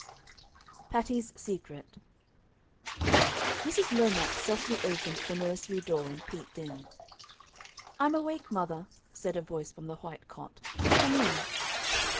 "] PATTY'S SECRET Mrs. Lomax softly opened the nursery door and peeped in. "I'm awake, mother," said a voice from the white cot; "come in."